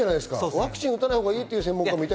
ワクチン打たないほうがいいという専門家もいる。